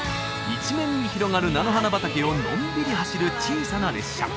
一面に広がる菜の花畑をのんびり走る小さな列車